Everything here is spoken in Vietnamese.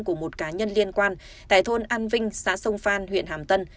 của một cá nhân liên quan tại thôn an vinh xã sông phan huyện hàm tân